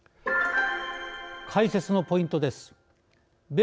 解説のポイントです。